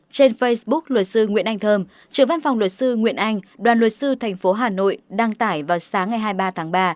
trên facebook luật sư nguyễn anh thơm trưởng văn phòng luật sư nguyễn anh đoàn luật sư thành phố hà nội đăng tải vào sáng ngày hai mươi ba tháng ba